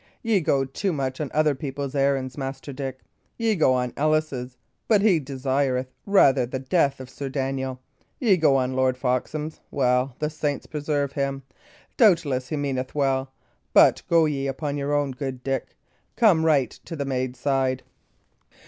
Ye go too much on other people's errands, Master Dick. Ye go on Ellis's; but he desireth rather the death of Sir Daniel. Ye go on Lord Foxham's; well the saints preserve him! doubtless he meaneth well. But go ye upon your own, good Dick. Come right to the maid's side.